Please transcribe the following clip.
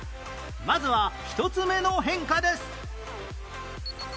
まずは１つ目の変化です